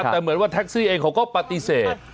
แต่เหมือนว่าเองเขาก็ปฏิเสธ